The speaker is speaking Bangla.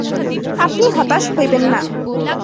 আপনি হতাশ হইবেন না।